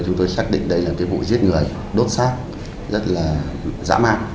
chúng tôi xác định đây là một vụ giết người đốt xác rất là dã mạng